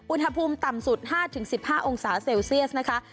อุณหภูมิต่ำสุด๕๑๕องศาเซลเซียสนะคะ